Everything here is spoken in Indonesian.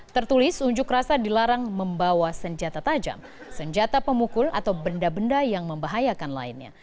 tertulis unjuk rasa dilarang membawa senjata tajam senjata pemukul atau benda benda yang membahayakan lainnya